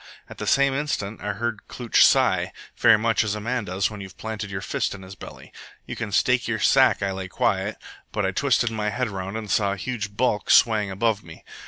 At the same instant I heard Klooch sigh, very much as a man does when you've planted your fist in his belly. You can stake your sack I lay quiet, but I twisted my head around and saw a huge bulk swaying above me.